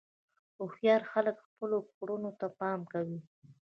هوښیار خلک خپلو کړنو ته پام کوي.